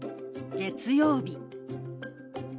「月曜日」。